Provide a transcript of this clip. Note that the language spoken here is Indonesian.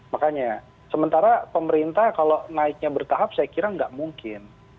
makanya sementara pemerintah kalau naiknya bertahap saya kira nggak mungkin